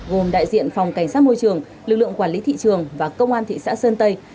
gồm đại diện phòng cảnh sát môi trường lực lượng quản lý thị trường và công an thị xã sơn tây